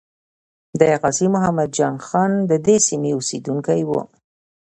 د غازی محمد جان خان ددې سیمې اسیدونکی وو.